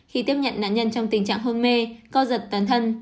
khi tiếp nhận nạn nhân trong tình trạng hôn mê co giật toàn thân